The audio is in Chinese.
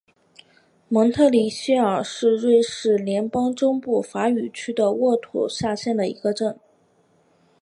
蒙特里谢尔是瑞士联邦西部法语区的沃州下设的一个镇。